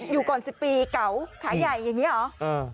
อยู่ก่อน๑๐ปีเก่าขายใหญ่อย่างนี้เหรอ